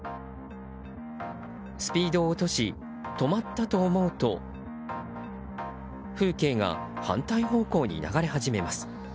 スピードを落とし止まったと思うと風景が反対方向に流れ始めます。